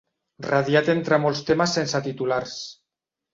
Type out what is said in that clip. Radiat entre molts temes sense titulars.